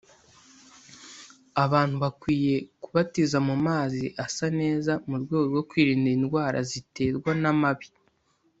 Abantu bakwiye kubatiza mu mazi asa neza mu rwego rwo kwirinda indwara ziterwa n’amabi